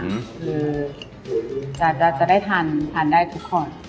คือจะได้ทานได้ทุกข้อน